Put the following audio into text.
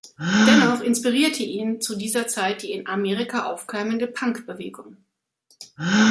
Dennoch inspirierte ihn zu dieser Zeit die in Amerika aufkeimende Punk-Bewegung.